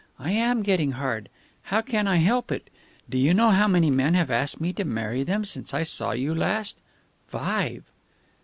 I am getting hard. How can I help it? Do you know how many men have asked me to marry them since I saw you last? Five."